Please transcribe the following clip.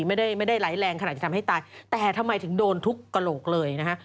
ไม่ได้ไม่ได้ไหลแรงขนาดจะทำให้ตายแต่ทำไมถึงโดนทุกกระโหลกเลยนะฮะ